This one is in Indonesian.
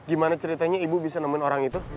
gimana ceritanya ibu bisa nemenin orang itu